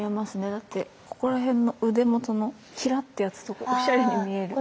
だってここらへんの腕元のひらってやつとかおしゃれに見える。